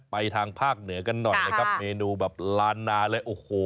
ทางภาคเหนือกันหน่อยนะครับเมนูแบบล้านนาเลยโอ้โห